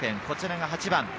こちらが８番。